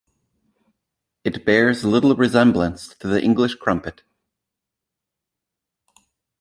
It bears little resemblance to the English crumpet.